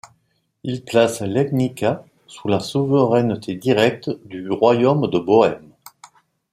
Il place Legnica sous la souveraineté directe du royaume de Bohême.